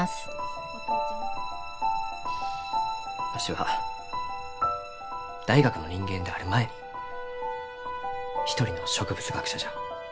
わしは大学の人間である前に一人の植物学者じゃ。